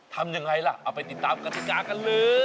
ทำอย่างไรล่ะออกไปติดตามกฎิกากัน